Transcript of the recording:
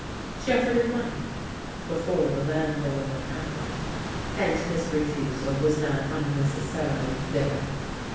She offered him money — before the landlord unhappily — and his refusal was now unnecessarily bitter.